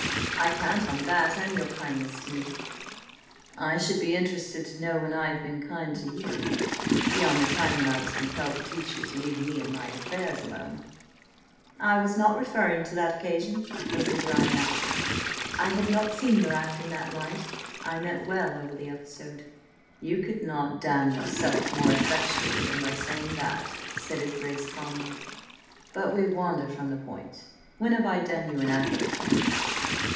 I count on that–and your kindness to me." "I should be interested to know when I have been kind to you–beyond the time when I was compelled to teach you to leave me and my affairs alone." "I was not referring to that occasion," was the dry answer. "I had not seen your act in that light. I meant well over the episode." "You could not damn yourself more effectually than by saying that," said his Grace calmly. "But we wander from the point. When have I done you an act of kindness?"